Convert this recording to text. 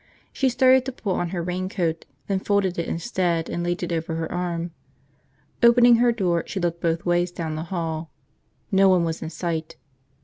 She started to pull on her raincoat, then folded it instead and laid it over her arm. Opening her door, she looked both ways down the hall. No one was in sight.